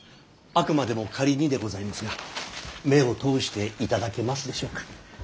あくまでも仮にでございますが目を通していただけますでしょうか。